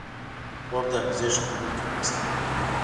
خوب د حافظې ښه کولو کې مرسته کوي